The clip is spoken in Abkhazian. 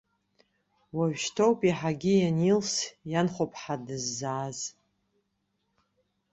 Уажәшьҭоуп иаҳагьы ианилс ианхәыԥҳа дыззааз.